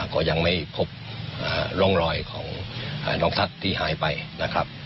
ก็ยังไม่พบร่องรอยของน้องทัศน์ที่หายไปนะครับ